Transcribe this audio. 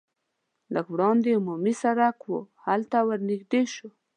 لږ وړاندې عمومي سرک و هلته ور نږدې شوو.